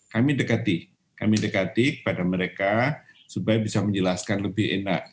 kami dekati kami dekati kepada mereka supaya bisa menjelaskan lebih enak